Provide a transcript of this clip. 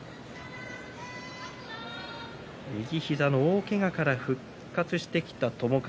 右膝の大けがから復活してきた友風。